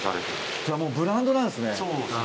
じゃあもうブランドなんですね。